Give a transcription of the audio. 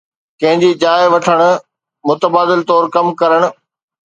ڪنهن جي جاءِ وٺڻ ، متبادل طور ڪم ڪرڻ